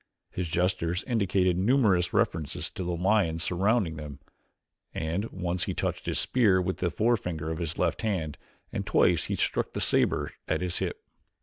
His gestures indicated numerous references to the lions surrounding them, and once he touched his spear with the forefinger of his left hand and twice he struck the saber at his hip.